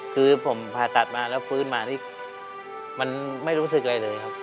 คือผมผ่าตัดมาแล้วฟื้นมานี่มันไม่รู้สึกอะไรเลยครับ